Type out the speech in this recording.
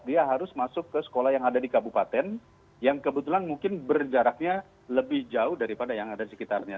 dia harus masuk ke sekolah yang ada di kabupaten yang kebetulan mungkin berjaraknya lebih jauh daripada yang ada di sekitarnya